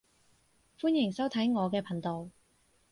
歡迎收睇我嘅頻道